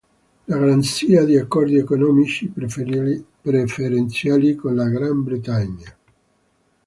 La garanzia di accordi economici preferenziali con la Gran Bretagna”".